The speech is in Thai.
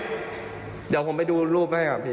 เดี๋ยวผมไปดูรูปให้ครับพี่